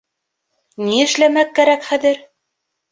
Ни эшләмәк кәрәк хәҙер?